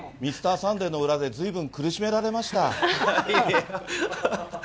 サンデーの裏でずいぶん苦しめられました。